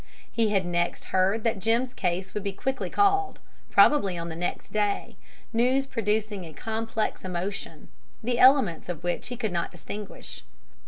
He had next heard that Jim's case would be quickly called, probably on the next day, news producing a complex emotion, the elements of which he could not distinguish.